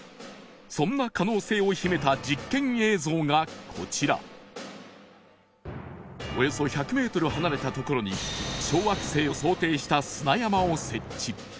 そんな可能性を秘めた実験映像がこちらおよそ１００ｍ離れたところにを設置